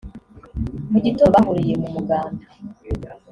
Mu gitondo bahuriye mu Umuganda